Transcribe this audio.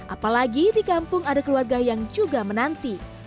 apalagi di kampung ada keluarga yang juga menanti